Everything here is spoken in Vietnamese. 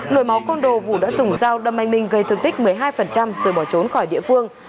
nổi máu con đồ vũ đã dùng dao đâm anh minh gây thương tích một mươi hai rồi bỏ trốn khỏi địa phương